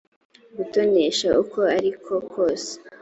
gutonesha uko ari ko kose